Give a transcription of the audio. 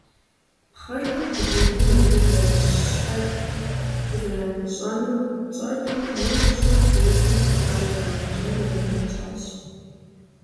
Пхъэрхэм хъыджэбзыр мыбы зэрыщыӀэр къызэрамыщӀэнур тщӀэрти, нэху щыху зейхэм хъыбар едмыгъэщӀэну мурад тщӀащ.